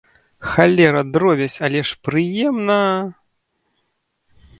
Халера, дробязь, але ж прыемна!